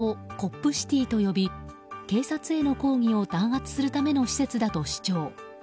反対派は、この場所をコップ・シティと呼び警察への抗議を弾圧するための施設だと主張。